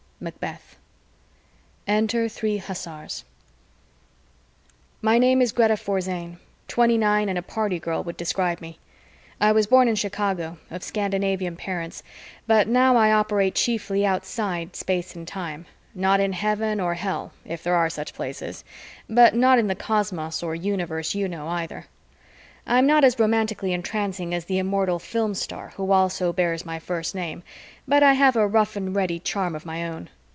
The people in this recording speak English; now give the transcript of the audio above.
Macbeth ENTER THREE HUSSARS My name is Greta Forzane. Twenty nine and a party girl would describe me. I was born in Chicago, of Scandinavian parents, but now I operate chiefly outside space and time not in Heaven or Hell, if there are such places, but not in the cosmos or universe you know either. I am not as romantically entrancing as the immortal film star who also bears my first name, but I have a rough and ready charm of my own.